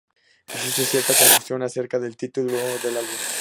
Existe cierta confusión acerca del título del álbum.